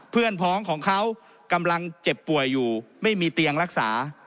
พ้องของเขากำลังเจ็บป่วยอยู่ไม่มีเตียงรักษา